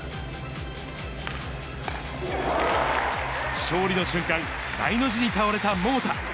勝利の瞬間、大の字に倒れた桃田。